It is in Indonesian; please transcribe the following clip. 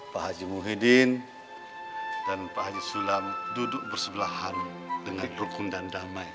pak haji muhyiddin dan pak haji sulam duduk bersebelahan dengan rukun dan damai